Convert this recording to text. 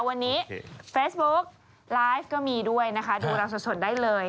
วันนี้เฟซบุ๊กไลฟ์ก็มีด้วยนะคะดูเราสดได้เลย